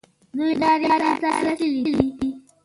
دوه لارې ته رسېدلی دی